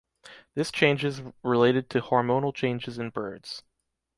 This changes related to hormonal changes in birds.